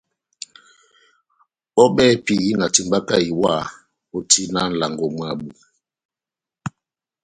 Bɔ́ bɛ́hɛ́pi na timbaka iwa ó tina nʼlango mwábu.